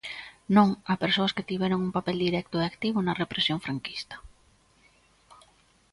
Non a persoas que tiveron un papel directo e activo na represión franquista.